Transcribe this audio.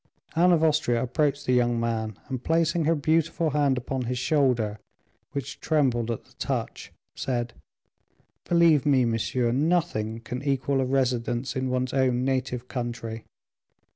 Anne of Austria approached the young man, and placing her beautiful hand upon his shoulder, which trembled at the touch, said, "Believe me, monsieur, nothing can equal a residence in one's own native country.